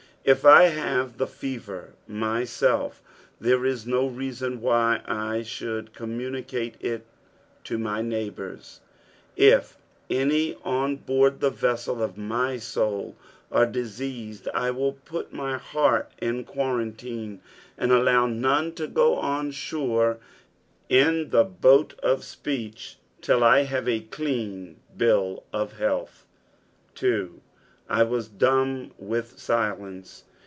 If I have the fever myself, there is no reason why I should communicate it to my neightvaun. If any on board the vessel of my soul ar« diseased, 1 will put my heart in quarantine, and allow none to go on shore in the boat of speech till I have a clean bill of health. a. " I vat dumb with tiUitee."